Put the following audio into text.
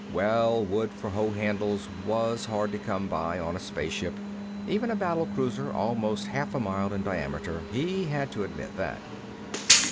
Well, wood for hoe handles was hard to come by on a spaceship, even a battle cruiser almost half a mile in diameter; he had to admit that.